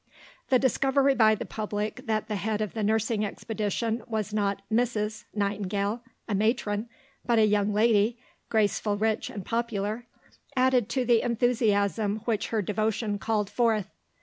The discovery by the public that the head of the Nursing Expedition was not "Mrs." Nightingale, a matron, but a young lady, "graceful, rich, and popular," added to the enthusiasm which her devotion called forth.